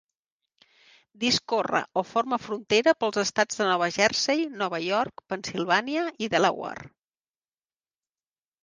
Discorre o forma frontera pels estats de Nova Jersey, Nova York, Pennsilvània i Delaware.